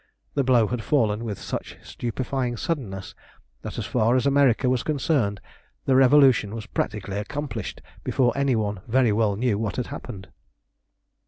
The blow had fallen with such stupefying suddenness that as far as America was concerned the Revolution was practically accomplished before any one very well knew what had happened.